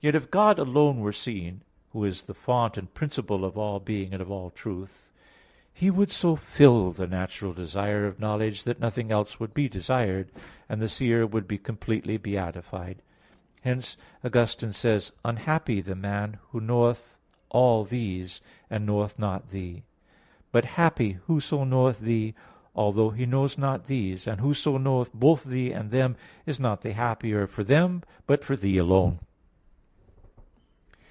Yet if God alone were seen, Who is the fount and principle of all being and of all truth, He would so fill the natural desire of knowledge that nothing else would be desired, and the seer would be completely beatified. Hence Augustine says (Confess. v): "Unhappy the man who knoweth all these" (i.e. all creatures) "and knoweth not Thee! but happy whoso knoweth Thee although he know not these. And whoso knoweth both Thee and them is not the happier for them, but for Thee alone."